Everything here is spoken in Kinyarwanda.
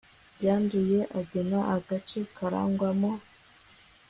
byanduye agena agace karangwamo